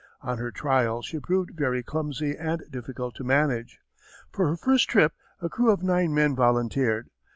On her trial she proved very clumsy and difficult to manage. For her first trip a crew of nine men volunteered.